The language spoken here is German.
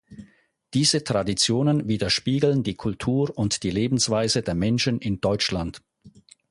Diese Traditionen widerspiegeln die Kultur und die Lebensweise der Menschen in Deutschland.